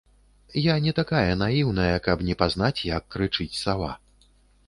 Я не такая наіўная, каб не пазнаць, як крычыць сава.